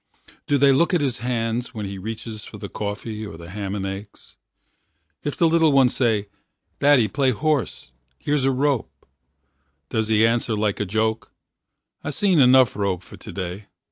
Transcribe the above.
Do they look at his Hands when he reaches for the coffee Or the ham and eggs? If the little Ones say, Daddy, play horse, here's A rope does he answer like a joke: I seen enough rope for today?